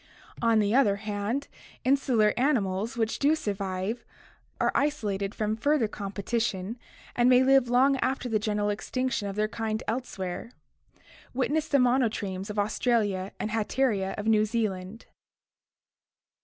On the other hand, insular animals which do survive are isolated from further competition and may live long after the general extinction of their kind elsewhere. Witness the monotremes of Australia and Hatteria of New Zealand.